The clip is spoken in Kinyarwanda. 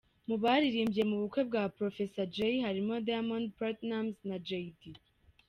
Mu baririmbye mu bukwe bwa Proffessor Jay harimo Diamond Platnumz na Jay Dee.